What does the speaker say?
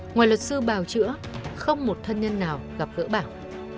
ngoài luật sư bào chữa không một thân nhân nào gặp gỡ bảo